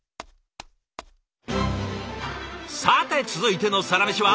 さて続いてのサラメシは？